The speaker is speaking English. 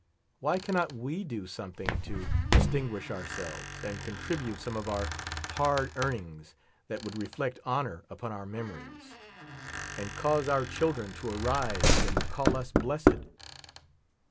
Why cannot we do something to distinguish ourselves, and contribute some of our hard earnings that would reflect honor upon our memories, and cause our children to arise and call us blessed?